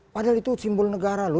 padahal itu simbol negara loh